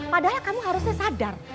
padahal kamu harusnya sadar